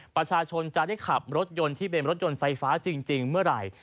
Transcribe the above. ประชาชนจะได้ขับรถยนต์ที่เป็นรถยนต์ไฟฟ้าจริงเมื่อไหร่